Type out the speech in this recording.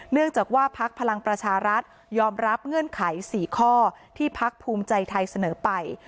เนื่องจากว่าพักพลังประชารัฐยอมรับเงื่อนไข๔ข้อที่พักภูมิใจไทยเสนอไป